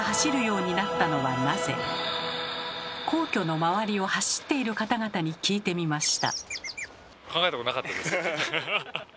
皇居の周りを走っている方々に聞いてみました。